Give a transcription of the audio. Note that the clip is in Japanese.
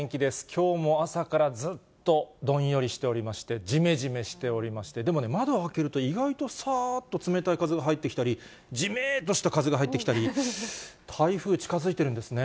きょうも朝からずっとどんよりしておりまして、じめじめしておりまして、でもね、窓を開けると意外と、さーっと冷たい風が入ってきたり、じめーっとした風が入ってきたり、台風、近づいてるんですね。